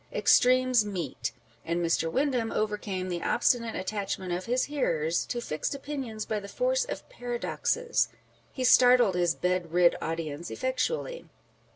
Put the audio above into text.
Extremes meet ; and Mr. Windham overcame the obstinate attachment of his hearers to fixed opinions by the force of paradoxes. He startled his bed rid audience effectually.